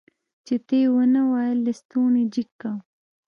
چې ته يې ونه وايي لستوڼی جګ که.